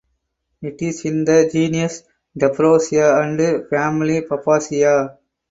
It is in the genus "Tephrosia" and family "Fabaceae".